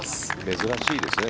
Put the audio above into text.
珍しいですね。